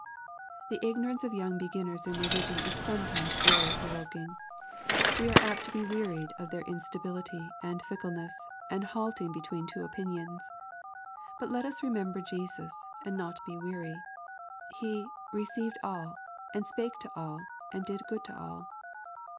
The ignorance of young be ginners in religion is sometimes very provoking. We are apt to be wearied of their instability, and fickleness, and halting between two opinions. But let us remem ber Jesus, and not be weary. He " received all," spake to all, and did good to all.